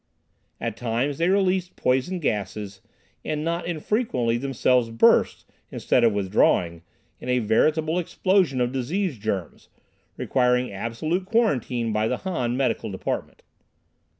At times they released poison gases, and not infrequently themselves burst, instead of withdrawing, in a veritable explosion of disease germs, requiring absolute quarantine by the Han medical department.